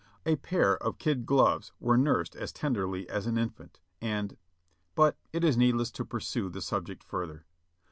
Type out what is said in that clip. A pair of kid gloves were nursed as tenderly as an infant, and — but it is needless to pursue the subject further.